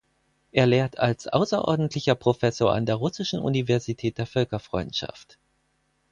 Er lehrt als außerordentlicher Professor an der Russischen Universität der Völkerfreundschaft.